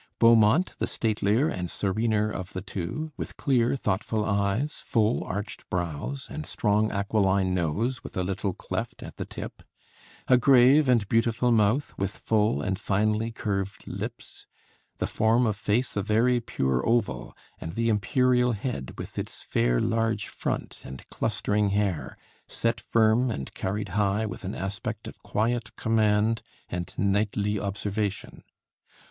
Beaumont the statelier and serener of the two, with clear, thoughtful eyes, full arched brows, and strong aquiline nose, with a little cleft at the tip; a grave and beautiful mouth, with full and finely curved lips; the form of face a very pure oval, and the imperial head, with its 'fair large front' and clustering hair, set firm and carried high with an aspect of quiet command and knightly observation.